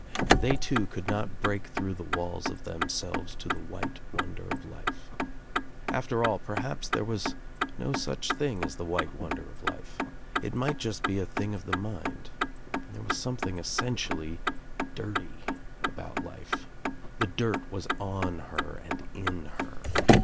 They too could not break through the walls of themselves to the white wonder of life. After all perhaps there was no such thing as the white wonder of life. It might be just a thing of the mind. There was something essentially dirty about life. The dirt was on her and in her.